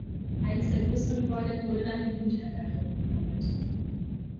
Eines der größeren Gebäude wurde in eine Jugendherberge umgewandelt.